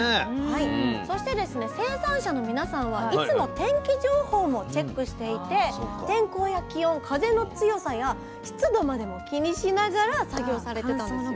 そしてですね生産者の皆さんはいつも天気情報もチェックしていて天候や気温風の強さや湿度までも気にしながら作業されてたんですよ。